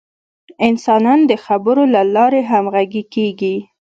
انسانان د خبرو له لارې همغږي کېږي.